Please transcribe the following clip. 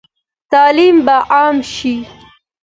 تعلیم به عام شي؟